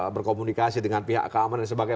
berkomunikasi dengan pihak keamanan dan sebagainya